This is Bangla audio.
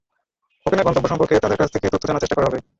কোকেনের গন্তব্য সম্পর্কে তাঁদের কাছ থেকে তথ্য জানার চেষ্টা করা হবে।